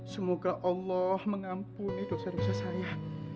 semoga allah mengampuni dosa dosa saya